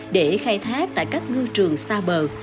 để khai thác tại các ngư trường xa bờ